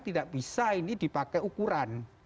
tidak bisa ini dipakai ukuran